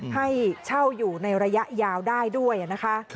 ให้เช่าอยู่ในระยะยาวได้ด้วยนะคะ